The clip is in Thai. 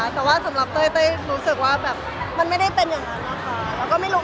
ก็สำหรับเต้ยรู้ว่ามันไม่ได้เป็นอย่างนั้นเลย